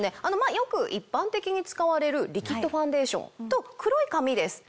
よく一般的に使われるリキッドファンデーションと黒い紙です。